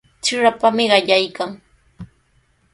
Trirapami qallaykan.